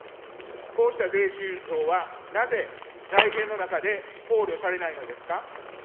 こうした税収増はなぜ財源の中で考慮されないのですか。